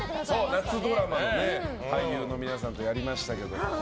夏ドラマの俳優の皆さんとやりましたけど。